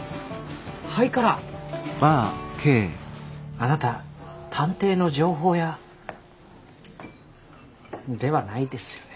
あなた探偵の情報屋。ではないですよね。